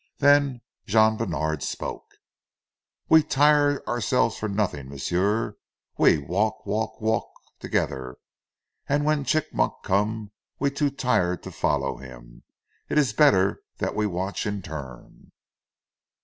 Then Jean Bènard spoke. "We tire ourselves for noding, m'sieu. We walk, walk, walk togeder, an' when Chigmok come we too tired to follow heem. It ees better dat we watch in turn."